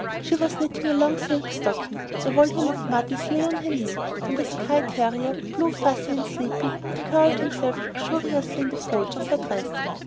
She was knitting a long silk stocking, a volume of Mudie's lay on her knee, and a skye terrier, blue, fuzzy, and sleepy, had curled himself luxuriously in the folds of her dress.